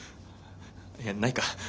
いやないか。